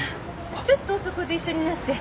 ちょっとそこで一緒になって。